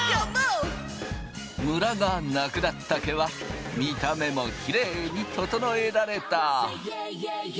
ムラがなくなった毛は見た目もきれいに整えられた。